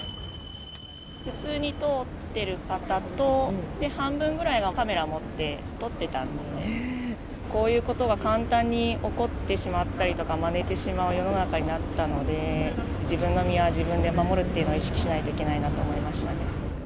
普通に通ってる方と、半分ぐらいがカメラ持って、撮ってたんで、こういうことが簡単に起こってしまったりとか、まねてしまう世の中になったので、自分の身は自分で守るってことを意識しないといけないなと思いま